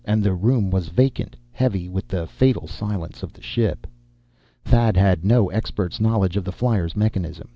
And the room was vacant, heavy with the fatal silence of the ship. Thad had no expert's knowledge of the flier's mechanism.